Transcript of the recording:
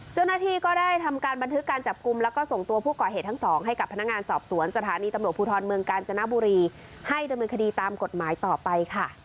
เจ้าหน้าที่ก็ได้ทำการบันทึกการจับกลุ่มแล้วก็ส่งตัวผู้ก่อเหตุทั้งสองให้กับพนักงานสอบสวนสถานีตำรวจภูทรเมืองกาญจนบุรีให้ดำเนินคดีตามกฎหมายต่อไปค่ะ